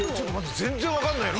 全然わかんないな」